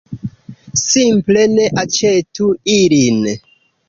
Simple ne aĉetu ilin!